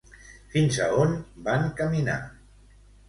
Fins a on van caminar?